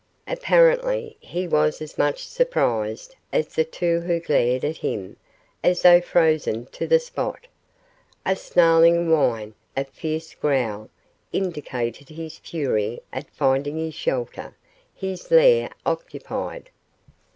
Apparently, he was as much surprised as the two who glared at him, as though frozen to the spot. A snarling whine, a fierce growl, indicated his fury at finding his shelter his lair occupied.